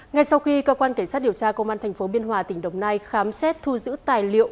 ngay sau khi cơ quan cảnh sát điều tra công an tp biên hòa tỉnh đồng nai khám xét thu giữ tài liệu